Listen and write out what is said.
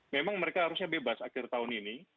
memang mereka harusnya bebas akhir tahun ini